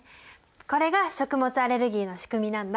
これが食物アレルギーのしくみなんだ。